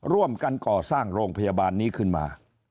ร่วมกันก่อสร้างโรงพยาบาลนี้ขึ้นมา